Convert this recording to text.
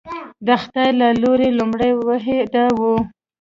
د خدای له لوري لومړنۍ وحي دا وه.